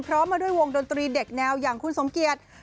พร้อมมาด้วยวงดนตรีเด็กแนวยังคุณสมเกียรติ